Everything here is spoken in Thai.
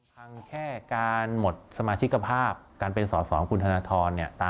แค่การหมดสมาชิกภาพการเป็นสอสอของคุณธนทร